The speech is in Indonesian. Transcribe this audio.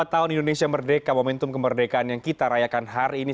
dua puluh tahun indonesia merdeka momentum kemerdekaan yang kita rayakan hari ini